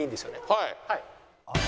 「はい。